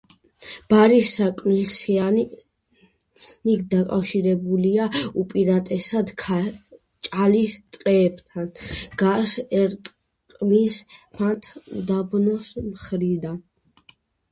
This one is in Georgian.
ბარის საკმლისხიანი დაკავშირებულია უპირატესად ჭალის ტყეებთან, გარს ერტყმის მათ უდაბნოს მხრიდან.